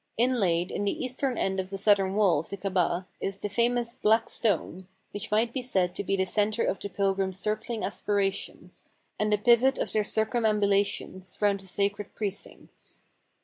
Inlaid in the eastern end of the southern wall of the Kabah is the famous "Black Stone," which might be said to be the center of the pilgrims' circling aspirations, and the pivot of their cir cumambulations round the sacred precincts.